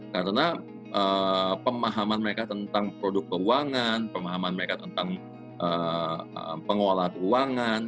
karena pemahaman mereka tentang produk keuangan pemahaman mereka tentang pengolahan keuangan